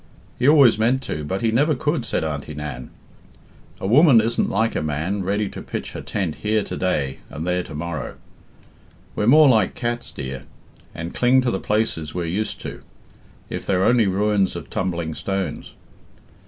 "He always meant to, but he never could," said Auntie Nan. "A woman isn't like a man, ready to pitch her tent here to day and there to morrow. We're more like cats, dear, and cling to the places we're used to, if they're only ruins of tumbling stones.